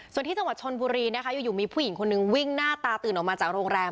ส่วนที่จังหวัดชนบุรีนะคะอยู่มีผู้หญิงคนนึงวิ่งหน้าตาตื่นออกมาจากโรงแรม